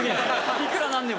いくら何でも。